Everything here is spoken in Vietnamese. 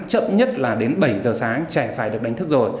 chậm nhất là đến bảy giờ sáng trẻ phải được đánh thức rồi